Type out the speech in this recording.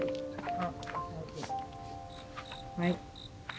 はい。